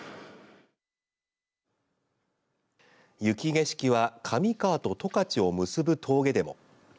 雪景色は上川と十勝を結ぶ峠でも。